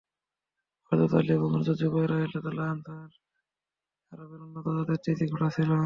হযরত Ali এবং হযরত Zubair রাযিয়াল্লাহু আনহু-এর আরবের উন্নত জাতের তেজি ঘোড়া ছিল।